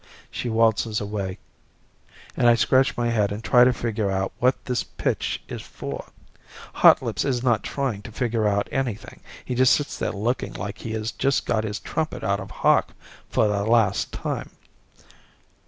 She waltzes away, and I scratch my head and try to figure out what this pitch is for. Hotlips is not trying to figure out anything; he just sits there looking like he has just got his trumpet out of hock for the last time.